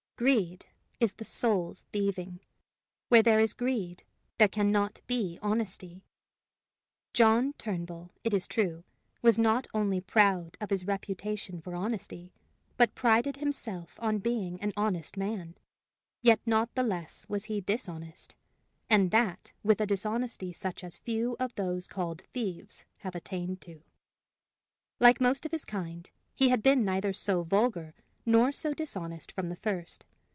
Greed is the soul's thieving; where there is greed, there can not be honesty. John Turnbull, it is true, was not only proud of his reputation for honesty, but prided himself on being an honest man; yet not the less was he dishonest and that with a dishonesty such as few of those called thieves have attained to. Like most of his kind, he had been neither so vulgar nor so dishonest from the first.